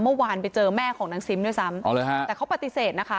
เมื่อวานไปเจอแม่ของนางซิมด้วยซ้ำอ๋อเลยฮะแต่เขาปฏิเสธนะคะ